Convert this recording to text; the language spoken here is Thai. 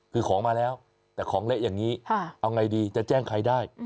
คือของมาแล้วแต่ของเละอย่างนี้เอาไงดีจะแจ้งใครได้